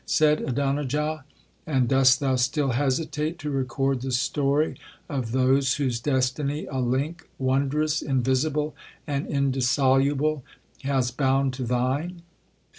said Adonijah; 'and dost thou still hesitate to record the story of those whose destiny a link, wondrous, invisible, and indissoluble, has bound to thine.